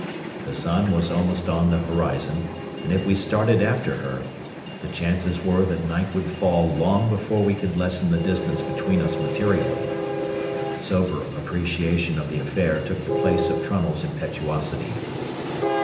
The sun was almost on the horizon, and if we started after her, the chances were that night would fall long before we could lessen the distance between us materially. Sober appreciation of the affair took the place of Trunnell's impetuosity.